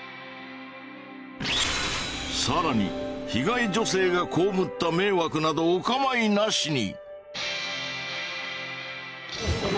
更に被害女性が被った迷惑などお構いなしに。